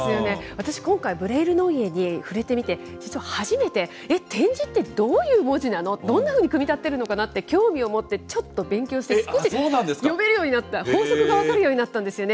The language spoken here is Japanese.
私、今回、ブレイル・ノイエに触れてみて、実は初めて、えっ、点字ってどういう文字なの、どんなふうに組み立てるのかなって、興味を持って、ちょっと勉強して、少し読めるようになった、法則が分かるようになったんですよね。